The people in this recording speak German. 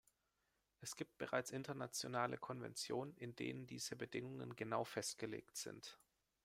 Es gibt bereits internationale Konventionen, in denen diese Bedingungen genau festgelegt sind.